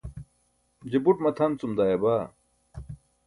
je buṭ matʰan cum dayaba